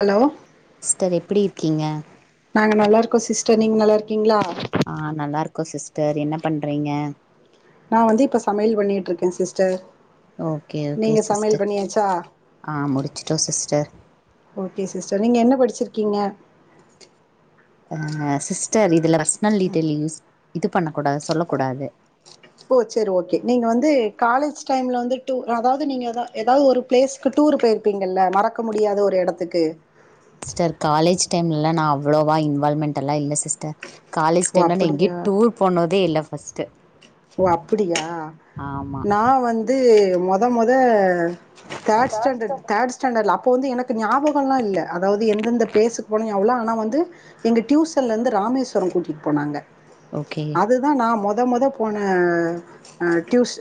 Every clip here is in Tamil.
ஹலோ ஸ்டர் எப்டி இருக்கீங்க க்கோ சிஸ்டர் நீங்க நல்லா இருக்கீங்ளா ஆ நல்லா இருக்கோ சிஸ்டர் என்ன பண்றீங்க நா வந்து இப்ப சமையல் பண்ணியிட்ருக்க சிஸ்டர் ஓகே ஓகே நீங்க சமையல் சிஸ்டர் பண்ணியாச்சா ஆ முடிச்சுட்டோ சிஸ்டர் ஓகே சிஸ்டர் நீங்க என்ன படிச்சிருக்கீங்க ஆ சிஸ்டர் இதுல பர்ஸ்னல் டீட்டைல் யூஸ் இது பண்ணக் ஓ சரி ஓகே நீங்க வந் து காலேஜ் டைம்ல வந்து டூ அதாவ்து நீங்க எதா எதா ஒரு ப்ளேஸ்க்கு டூர் போயிருப்பீங்கல்ல மறக்க முடி யாத ஒரு எடத்துக்கு ஸ்டர் காலேஜ் டைம்லலா நா அவ்ளோவா இன்வால்வ்மெண்ட்டல்லா இல்ல சிஸ் டர் காலேஜ் ஓ டைம்ல நா எங்கியு அப்படியா டூர் போனதே இல்ல ஃபர்ஸ்ட்டு ஓ அப்டியா ஆமா நா வந்து மொத மொத தேர்ட் ஸ்டாண்டர்ட் தேர்ட் ஸ்டாண்ட்ல அப்ப வந்து எனக்கு ஞாபகல்லா இல்ல அதாவது எந்தெந்த ப்ளேஸுக்கு போன ஞாபகில ஆனா வந்து எங்க டியூசன்ல இருந்து ராமேஸ்வர கூட்டிட்டு போனாங்க ஓகே அதுதா நா மொத மொத போன அ டியூஷ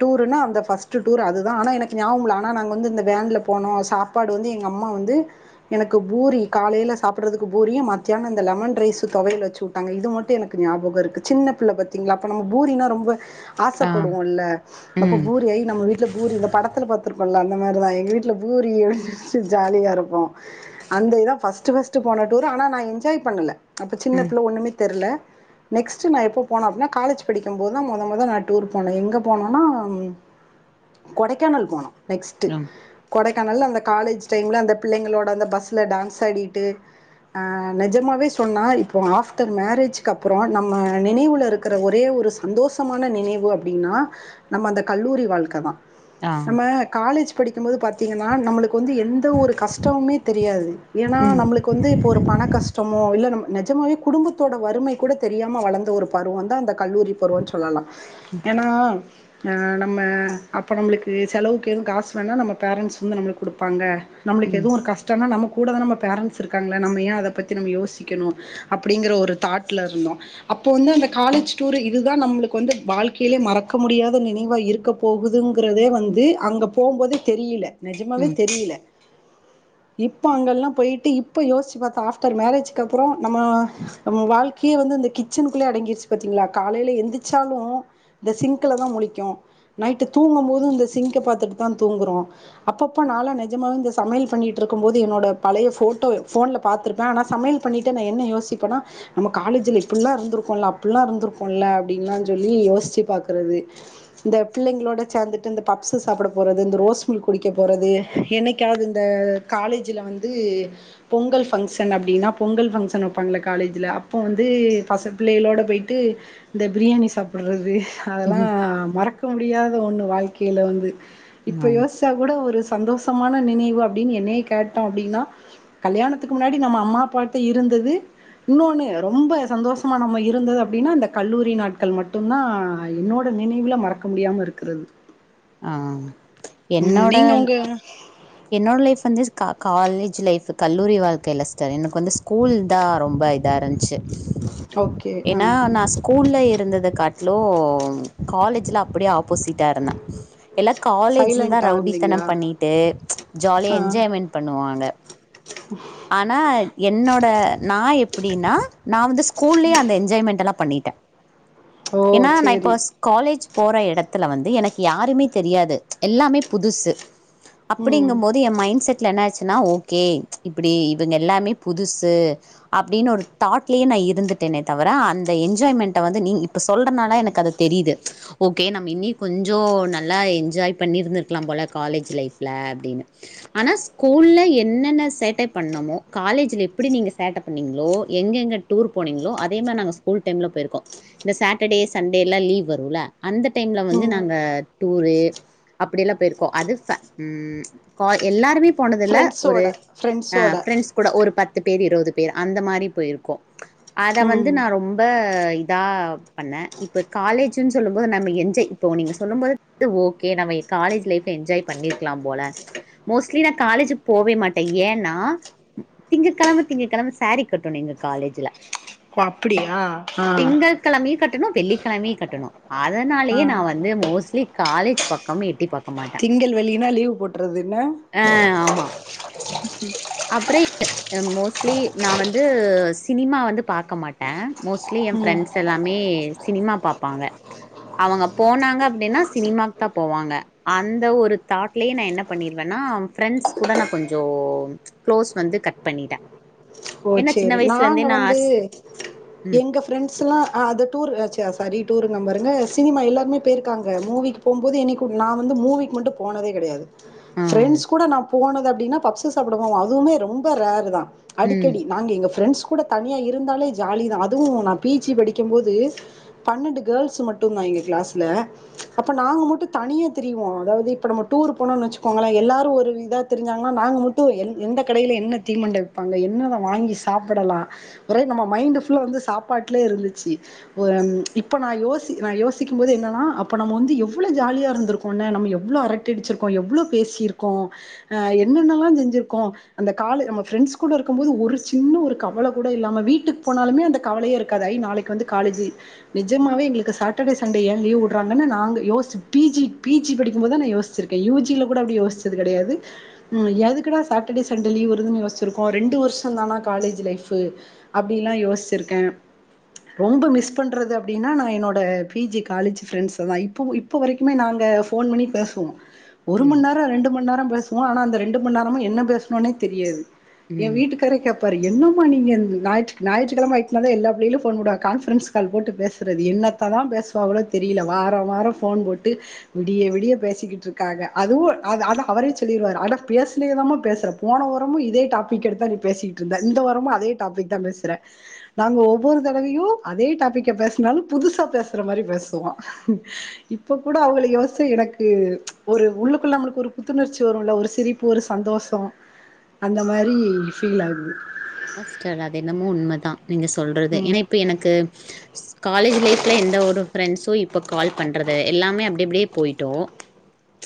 டூருன்னா அந்த ஃபஸ்ட் டூர் அதுதா ஆனா எனக்கு ஞாபமில்ல ஆனா நா ங்க வந்து இந்த வேன்ல போனோ சாப்பாடு வந்து எங்க அம்மா வந்து எனக்கு பூரி காலையில சாப்படறதுக்கு பூரி மத்தியான அந்த லெமன் ரைஸு தொவயல் வச்சு விட்டாங்க இது மட்டு எனக்கு ஞாபக இருக்கு சின்ன பிள்ள பாத்திங்ளா அப்போ நம்ம பூரினா ரொம்ப ஆ ஆசப்படுவோ இல்ல அப்ப ம் பூரி ஐ நம்ம வீட்ல பூரி இந்த படத்துல பாத்துருக்கோல்ல அந்த மாரிதா எங்க வீட்ல பூரி அப்டி சொல்ட்டு ஜாலியா இருப்போ அந்த இதா ஃபஸ்ட்டு ஃபஸ்ட்டு போன டூரு ஆனா நா என்ஜாய் பண்ணல அப்ப சின்ன ம் பிள்ள ஒண்ணுமே தெர்ல நெக்ஸ்ட் நா எப்போ போன அப்பனா காலேஜ் படிக்கும் போதுதா மொத மொத நா டூர் போன எங்க போனன்னா கொடைக்கானல் போனோ ம் கனல அந்த காலேஜ் டைம்ல அந்த பிள்ளைங்களோட அந்த பஸ்ல டான்ஸ் ஆடிட்டு ஆ நெஜமாவே சொன்னா இப்போ ஆஃப்டர் மேரேஜ்க்கு அப்றம் நம்ம நினைவுலருக் குற ஒரே ஒரு சந்தோஷமான நினைவு அப்டின்னா நம்ம அந்த கல்லூரி வாழ்க்க தா ஆ நம்ம காலேஜ் படிக்கம்போது பாத் திங்கன்னா நம்ளுக்கு வந்து எந்த ஒரு கஷ்டமுமே தெரியாது ஏனா ம் நம்ளுக்கு வந்து இப்ப ஒரு பண கஷ்டமோ இல்ல நம்ம நெஜமாகவே குடும்பத்தோட வறுமை கூட தெரியாம வளந்த ஒரு பருவம் தா அந்த கல்லூரி பருவன் சொல்லலா ஏனா அ நம்ம அப்ப நம்ளுக்கு செலவுக்கு எதுவு காசு வேணா நம்ம பேரண்ட்ஸ் வந்து நம்ளுக்கு குடுப்பாங்க நம்ளுக்கு ம் எது ஒரு கஷ்டன்னா நமக்கு கூட நம்ம பேரண்ட்ஸ் இருக்காங்கள நம்ம ஏன் அத பத்தி நம்ம யோசிக்கணு அப்டிங்ற ஒரு தாட்ல இருந்தோ அப் போ வந்து அந் காலேஜ் டூரு இதுதா நம்ளுக்கு வந்து வாழ்க்கைலே மறக்க முடியாத நினைவா இருக்க போகுதுங்றதே வந்து து அங்க போம்போதே தெரியில நெஜமாவே ம் தெரியில இப்ப அங்கெல்லா போய்ட்டு இப்ப யோசிச்சு பாத்த ஆஃப்டர் மேரேஜ் க்கு அப்றம் நம்ம நம வாழ்க்கையே வந்து இந்த கிச்சன் குள்ளே அடங்கிருச்சு பாத்தீங்களா காலைல எந்திச்சாலு இந்த சிங்க்குல தா முழிக்கு நைட்டு தூங்கபோது இந்த சிங்க்க பாத்துட்டு தா தூங்குறோ அப்பப்ப நாளா நெஜமா இந்த சமையல் பண்ணிட்ரு க்கும்போது என்னோட பழைய ஃபோட்டோ ஃபோன்ல பாத்துருப்பே ஆனா சமையல் பண்ணிட்டு நா என்ன யோசிப்பனா நம்ம காலேஜ் ல இப்பில்லா இருந்துருக்கோல இப்பில்லா இருந்துருக்குல அப்டின்லா சொல்லி யோசிச்சு பாக்கறது இந்த பிள்ளைங்ளோட சேந்துட்டு இந்த ப ப்ஸு சாப்ட போறது இந்த ரோஸ் மில்க் குடிக்க போறது என்னைக்காது இந்த காலேஜில வந்து பொங்கல் பங்ஷன் அப்டின்னா பொங்கல் பங்ஷன் வைப்பாங்கள காலேஜ்ல அப்ப வந்து பச பிள்ளைகளோட போயிட்டு இந்த பிரியாணி சாப்புறது அதெல்லா ம் ஆ மறக்க முடியாத ஒன்னு வாழ்க்கை ல வந்து இப்ப ஆ யோசிச்சா கூட ஒரு சந்தோஷமான நினைவு அப்டின் என்னயே கேட்டோ அப்டின்னா கல்யாணத்துக்கு முன்னாடி நம்ம அம்மாப்பாட்ட இருந்தது இன்னொன்னு ரொம்ப சந்தோஷமா நம்ம இருந்தது அப்டின்னா அந்த கல்லூரி நாட்கள் மட்டுந்தா என்னோட நினைவுல மறக்க முடியாம இருக்குறது ஆ ம் நீங்க என்னோட உங்க என்னோட லைஃப் வந்து க கால்லேஜ் லைஃப் கல்லூரி வாழ்க்கை இல்ல சிஸ்டர் எனக்கு வந்து ஸ்கூல் தா ரொம்ப ப இதாருந்ச்சு ஓகே ஆ ஏனா நா ஸ்கூல்ல இருந்தது காட்லு காலேஜ்ல அப்டே ஆப் போசிட்டா இருந்தே எல்லா காலேஜ்ல தா சைலன்டா ரவுடித்தனம் இருந்தீங்களா பண்ணிட்டு ஜாலியா ஆ என்ஜாய்மென்ட் பண்ணுவாங்க ஆனா என்னோட நா எப்டின்னா நா வந்து ஸ்கூல்லே அந்த என்ஜாய்மெண்ட்டலா பண்ணிட்டே ஓ ஏனா நா இப்ப சேரி ஸ் காலேஜ் போற எடத்துல வந்து எனக்கு யாருமே தெரியாது எல்லாமே புதுசு ம் அப்டிங்கம்போது என் மைண்ட் செட்ல என்னாச்சு னா ஓகே இப்டி இவங்க எல்லாமே புதுசு அப்டின் ஒரு தாட்லே நா இருந்துட் டேனே தவிர அந்த என்ஜாய்மெண்ட்ட வந்து நீ இப்ப சொல்றனால எனக்கு அது தெரியுது ஓகே நம்ம இன்னி கொஞ் ஞ்சோ நல்லா என்ஜாய் பண்ணிருந்துருக்கலா போல காலேஜ் லைஃப் ல அப்டின்னு ஆனா ஸ்கூல்ல என்னென்ன சேட்டை பண்ணமோ காலேஜ்ல எப்டி நீங்க சேட்ட பண்ணீங்ளோ எங்கெங்க டூர் போனீங்ளோ அதே மாரி நாங்க ஸ்கூல் டைம்ல போயிருக்கோ இந்த சாட்டர்டே சண்டேல லீவ் வரு ல அந்த டைம்ல வந்து ம் நாங்க டூரு அப்டியெல்லா போயிருக்கோ அது ஃப ம் கா எல்லாருமே போனதில்ல ஒரு ஃப்ரெண்ட்ஸோட ஆ ஃப்ரெண்ட்ஸோட ஃப்ரெண்ட்ஸ் கூட ஒரு பத்து பேர் இருவது பேர் அந்த மாரி போயிருக்கோ அத வந்து ம் நா ரொம்ப இதா பண்ண இப்ப காலேஜ் ஜின் சொல்லம்போது நம்ம என்ஜாய் இப்போ நீங்க சொல்லும் போது ஓகே நம்ம காலேஜ் லைஃப என்ஜாய் பண்ணிிரு க்கலா போல மோஸ்ட்லி நா காலேஜுக்கு போவே மாட்டே ஏன்னா திங்க கெழம திங்க கெழம சாரீ கட்டணு எங்க காலேஜ்ல ஓ அப்டியா ஆ திங்க்கிழமையும் கட்டணும் வெள்ளிக்கிழமையும் கட்டணும் ஆ அதனாலேயே நான் வந்து மோஸ்ட்லி காலேஜ் பக்கம் எட்டி பாக்க மாட்ட என்ன லீவ் போட்றது என்ன அப்புறம் மோஸ்ட்லி நான் வந்து சினிமா வந்து பார்க்க மாட்ட மோஸ்ட்லி என் ம் ஃப்ரெண்ட்ஸ் எல்லாமே சினிமா பார்ப்பாங்க அவங்க போனாங்க அப்படின்னா சினிமாக்கு தான் போவாங்க அந்த ஒரு தாட்லயே நா என்ன பண்ணிடுவேன்னா ஃப்ரெண்ட்ஸ் கூட நான் கொஞ்சம் க்ளோஸ் வந்து கட் பண்ணிட்ட ஓ சரி நாங்க வந்து ம் எங்க ஃப்ரெண்ட்ஸ் ல்லா டூர் சாரி டூரு நம் பாருங்க சினிமா எல்லாருமே போயிருக்காங்க மூவிக்கு போம்போது என்னைக்கு நான் வந்து மூவிக்கு மட்டும் போனதே கடையாது ஆ ஃப்ரெண்ட்ஸ் கூட நான் போனது அப்படின்னா பப்ஸ சாப்டுவோம் அதுவுமே ரொம்ப ரேர் தான் ம் அடிக்கடி நாங்க எங்க ஃப்ரெண்ட்ஸ் கூட தனியா இருந்தாலே ஜாலி தான் அதுவும் நான் பிஜி படிக்கும் போது பன்னெண்டு கேர்ள்ஸ் மட்டு தா கிளாஸ்ல அப்ப நாங்க மட்டும் தனியா தெரியவோம் அதாவது இப்ப நம்ம டூர் போனு வச்சுக்கோங்கள எல்லாரும் ஒரு இதா திரிஞ்சாங்கன்னா நாங்க மட்டும் எந்த கடில என்ன தீமண்ட ங்க என்னத வாங்கி சாப்பிடலாம் ஒரே நம்ம மை் வந்து சாப்பாட்டுல இருந்துச்சு ஒரு இப்ப நான் யோசி நா யோசிக்கும் போது என்னனா அப்ப நம்ம வந்து எவ்ளோ ஜாலியா இருந்துரோக்கொல நம்ம எவ்ளோ அரட்ட டிச்சிருக்கோம் எவ்வளோ பேசியிருக்கோ என்னென்னல்லா செஞ்சிருக்கோ அந்த கால நம்ம ஃப்ரெண்ட்ஸ் கூட இருக்கும் போது ஒரு சின்ன ஒரு கவலை கூட இல்லாமல் வீட்டுக்கு போனாலுமே அந்த கவலையே இருக்காது ஐ நாளைக்கு வந்து காலேஜ் நிஜமாவே எங்களுக்கு சாட்டர்டே சண்டே ஏ லீவ் விடுறாங்க நாங்க யோசி பிஜி பிஜி படிக்கும்போது தா நா யோசி ச்சுரூக்க யூஜி ல கூட அப்டி யோசிச்சது கிடையது எதுக்கு டா சாட்டர்டே சண்டே லீவ் வருது யோசி இருக்கும் ரெண்டு வருஷம் தானா காலேஜ் லைஃபு அப்படிலாம் யோசிச்சிருக்கேன் ரொம்ப மிஸ் பண்றது அப்படின்னா நான் என்னோட பிஜி காலேஜ் பிரண்ட்ஸ்ஸ தா இப்ப இப்ப வரைக்குமே நாங்க போ போன் பண்ணி பேசுவோ ஒரு ம் மணி நேரம் ரெண்டு மணி நேரம் பேசுவோம் ஆனா அந்த ரெண்டு மணி நேரமும் என்ன பேசணும்னே தெரியாது என் ம் வீட்டுக்கரை கேட்பாரு என்ன நீங்க ஞாயிற ஞாயிறக்கிழமை [unintelligible] எல்லா புள்ளைங்க போடுவா கான்பரன்ஸ் கால் போட்டு பேசுறது என்னத்த தான் ுவளோ தெரியல வாரம் வாரம் போன் போட்டு விடிய விடிய பேசிக்கிட்டு இருக்காங்க அதுவும் அந்த அவரே சொல்லிடுவார் அட பேசலதாம பேசுற போனவரமும் இதே டாபிக் எடுத்த பேசிக்கிட்டு இருந்த இந்த வாரமும் அதே டாபிக் தான் பேசுறே நாங்க ஒவ்வொரு தடவையும் அதே டாபிக் பேசினாலும் புதுசா பேசுற மாரி பேசுவோ இப்ப கூட அவலுங்க யோசி எனக்கு ஒரு உள்ளுக்குள்ள நம்மளுக்கு ஒரு புத்துணர்ச்சி வரும் ல ஒரு சிரிப்பு ஒரு சந்தோஷம் அந்த மாரி ஃபீல் ஆகுது ஆமா சிஸ்டர் அது என்னமோ உண்மதா நீங்க சொல்றது ம் ஏன்னா இப்ப எனக்கு காலேஜ் லைஃப்ல எந்த ஒரு ஃப்ரெண்ட்ஸ் இப்ப கால் பண்றது எல்லாமே அப்படி அப்படியே போயிட்டோம்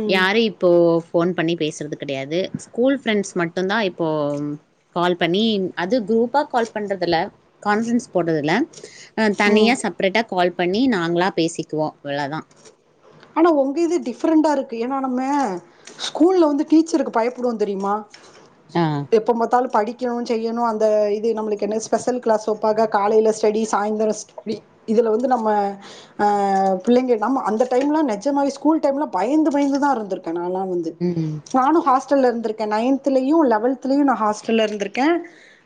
ம் யாரு இப்போ ஃபோன் பண்ணி பேசுரது கிடையாது ஸ்கூல் ஃப்ரெண்ட்ஸ் மட்டுும்தான் இப்போ கால் பண்ணி அது குரூப்பா கால் பண்றதுில்ல கான்ஃப்ரன்ஸ் போடுறதுல ஆ ம் தனியா செப்ரேட்டா கால் பண்ணி நாங்களா பேசிக்குவோம் அவ்வளோதான் ஆனா உங்க இது டிஃப்ரெண்டா இருக்கு ஏன்னா நம்ம ஸ்கூல்ல வந்து டீச்சருக்கு பயப்படுவோம் தெரியுமா ஆ எப்ப பாத்தாலும் படிக்கணும் செய்யணும் அந்த இது நம்மளுக்கு என்ன ஸ்பெஷல் கிளாஸ் வப்பாங்க காலையில ஸ்டடிஸ் சாய்ந்தர ஸி இதுல வந்து நம்ம பிள்ளைங்க நாம அந்த டைம்லாம் நெஜமா ஸ்கூல் டைம் பயந்து பயந்து தான் இருந்துரூக்கன் நா லா வந்து ம் நானும் ஹாஸ்டல்ல இருந்து நைன்தலயும் லெவல்தலய நான் ஹாஸ்டல இருந்திருக்கேன்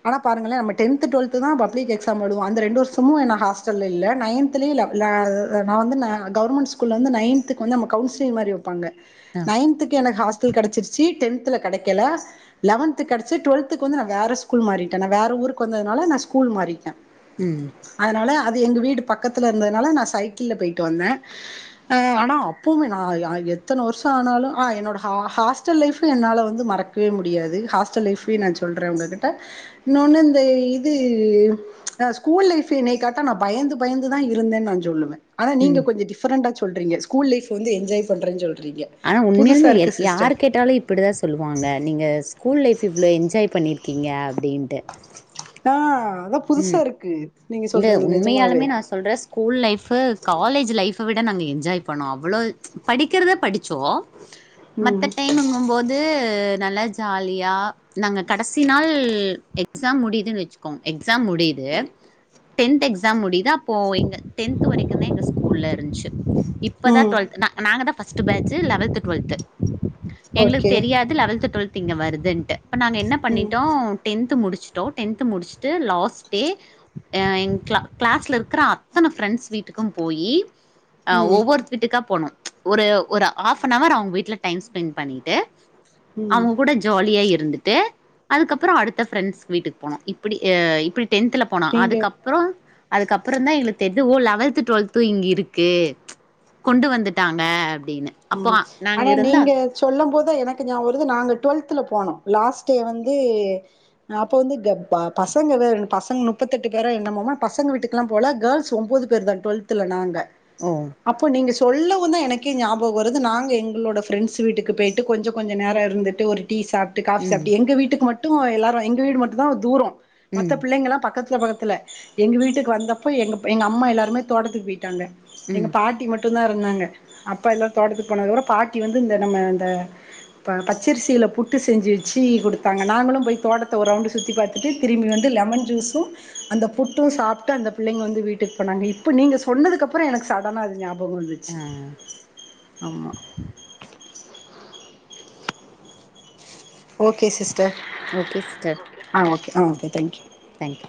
ஆன பாருங்களே நம் டென்த் டுவெல்த் தான் எக்ஸாம் எழுதுவோ அந்த ரெண்டு வருஷமும் நா ஹாஸ்டல் இல்ல நைன்த் ல நான் வந்து கவர்மெண்ட் ஸ்கூல் வந்து நைன்த்தக்கு வந்து கவுசிலிங் மாதி வைப்பாங்க ஆ நைன்துக்கு எனக்கு ஹாஸ்டல் கடைச்சிருச்சு டென்தல கடைக்கல லெவன்த் கடைச்சி டுவெல்த்த வந்து வேற ஸ்கூல் மாறிட்ட வேற ஊருக்கு வந்ததுனால நான் ஸ்கூல் மாறிட்ட ம் அதனால அது எங்க வீடு பக்கத்துல இருந்ததுனால நான் சைக்கிள்ல போயிட்டு வந்த அ ஆனா அப்பவுமே நா யா எத்தன வர்ஷ ஆனாலு ஆ என்னோட ஹா ஹாஸ்டல் லைஃபு என்னால வந்து மற றக்கவே முடியாது ஹாஸ்டல் லைஃபையு நா சொல்றே உங்ககிட்ட இன்னொன்னு இந்த இது ஆ ஸ்கூல் லைஃப் என்னையக்கேட்டா நா பயந்து பயந்துதா இருந்தேன் நா சொல்லுவே ஆனா நீங்க ம் கொஞ்ச டிஃபரெண்டா சொல்றீங்க ஸ்கூல் லைஃப் வந்து என்ஜாய் பண்றேன் சொல் ஆனா உண்மையாலுமே யர் யாரு கேட்டாலு இப்டிதா சொல்லுவாங்க நீங்க ஸ் கூல் லைஃப் இவ்ளோ என்ஜாய் பண்ணிருக்கீங்க அப்டினு ஆ அதா புதுசா ம் இருக்கு நீங்க இல்ல சொல்றது நெஜமாவே உண்மையாலுமே நா சொல்றே ஸ்கூல் லைஃபு காலேஜு லைஃப் ப்ப விட நாங்க என்ஜாய் பண்ணோ அவ்வளோ படிக்கிறத படிச்சோ மத்த ம் டைமுங்கும்போது நல்லா ஜாலியா நாங்க கடசி நாள் எக்ஸாம் முடியுதுன் வச்சுக்கோங் எக்ஸாம் முடியு து டென்த் எக்ஸாம் முடியுது அப்போ எங்க டென்த் வரைக்குந்தா எங்க ஸ்கூல்ல இருந்ச்சு இப்பதா ம் டுவெல்த் நா நாங்க தா ஃபஸ்ட்டு பேஜ்ஜு லவல்த்து டுவெல்த்து எங்களுக்கு ஓகே தெரியாது லவல்த்து டுவெல்த்து இங்க வருதுன்ட்டு இப்ப நாங்க என்ன ம் பண்ணிட்டோ டென்த்து முடிச் சுட்டோ டென்த்து முடிச்சுட்டு லாஸ்ட் டே அ எங் கிளா கிளாஸ்ல இருக்கிற அத்தன ஃப்ரெண்ட்ஸ் வீட்டுக்கு போயி் அ ம் ஒவ்வொரு வீட்டுக்கா போனு ஒரு ஒரு ஆஃப் அன் அவர் அவ்ங்க வீட்ல டைம் ஸ்பெண்ட் பண்ணிட்டு ம் அவ்ங்க கூட ஜாலியா இருந்துட்டு அதுக்கப்பற அடுத்த ஃப்ரெண்ட்ஸ் வீட்டுக்கு போனோ இப்டி எ இப்டி டென்த்ல போனோ நீங்க அதுக்கப்றோ அதுக்கப்பறந்தா எங்களுக்கு தெரிது ஓ லவல்த்து டுவெல்த்து இங்க இருக்கு கொண்டு வந்துட்டாங்க அப்டின்னு அப்போ ம் நாங்க ஆனா இருந்தா நீங்க சொல்லும் போதுதா எனக்கு நியா வருது நாங்க டுவெல்த்துல போனோ லாஸ்ட் டே வந்து அ அப்ப வந்து கப் ப பசங்க வேறங் பசங்க நுப்பத்தெட்டு பேரோ என்னமோ ஆனா பசங்க வீட்டுக்குலா போல கேர்ள்ஸு ஒம்போது பேரு தா டுவெல்த்துல நாங்க ஓ அப்போ நீங்க சொல்லவுந்தா எனக்கே ஞாப் பக வருது நாங்க எங்ளோட ஃப்ரெண்ட்ஸ் வீட்டுக்கு போயிட்டு கொஞ்ச கொஞ்ச நேர இருந்துட்டு ஒரு டீ சாப்ட்டு காஃபி ம் சாப்ட்டு எங்க வீட்டுக்கு மட்டு எல்லாரு எங்க வீடு மட்டு தா தூரோ மத்த ம் பிள்ளைங்கெல்லா பக்கத்து ல பக்கத்துல எங்க வீட்டுக்கு வந்தப்போ எங்கப் எங்க அம்மா எல்லாருமே தோட்டத்துக்கு போயிட்டாங்க எங்க ம் பாட்டி மட் டுந்தா இருந்தாங்க அப்பால்லா தோட்டத்துக்கு போனா கூட பாட்டி வந்து இந்த நம்ம அந்த ம் பச்சரிசில புட்டு செஞ்சு வெச்சு குடுத்தாங்க நாங்களு போய் தோட்டத்த ஒரு ரவுண்டு சுத்தி பாத்துட்டு திரும்பி வந்து லெமன் ஜூஸு அந்த புட்டு சாப்ட்டு அந்த பிள்ளைங்க வந்து வீட்டுக்கு போனாங்க இப்ப நீங்க சொன்னதுக்கப்பற எனக்கு சடனா அது ஞாபக ஆ வந்துச்சு ஆமா ஓகே சிஸ்டர் ஓகே சிஸ்டர் ஆ ஓகே ஆ ஓகே தேங்க்யூ தேங்க்யூ